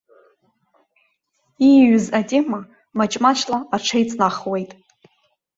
Ииҩыз атема маҷ-маҷла аҽеиҵнахуеит.